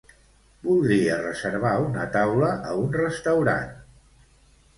Voldria reservar una taula a un restaurant.